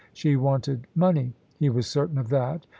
She wanted money he was certain of that.